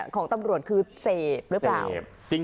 ของตำรวจคือเสพหรือเปล่า